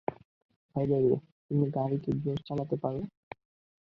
By the way, তুমি গাড়ি তো জোস চালাতে পারো!